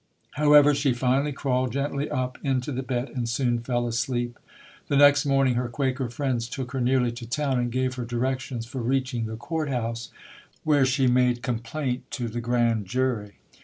However, she finally crawled gently up into the bed and soon fell asleep. The next morning, her Quaker friends took her nearly to town and gave her directions for reaching the court house, where she made complaint to the grand jury.